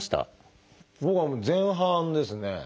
僕は前半ですね。